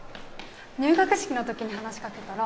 入学式のときに話しかけたら